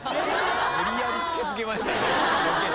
無理やり近づけましたねロケと。